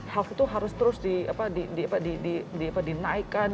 hoax itu harus terus dinaikkan